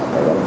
đó là tất cả